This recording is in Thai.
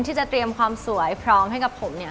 ที่จะเตรียมความสวยพร้อมให้กับผมเนี่ย